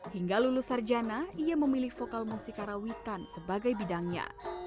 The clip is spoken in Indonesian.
hingga lulus sarjana ia memilih vokal musik karawitan sebagai bidangnya